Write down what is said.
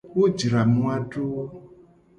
Wo jra moa do.